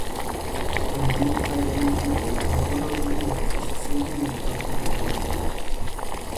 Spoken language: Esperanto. En vintraj olimpikoj ankoraŭ neniam estis siriaj partoprenantoj.